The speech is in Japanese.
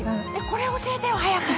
これ教えてよ早く。